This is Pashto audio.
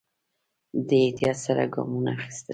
دی احتیاط سره ګامونه اخيستل.